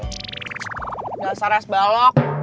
gak usah res balok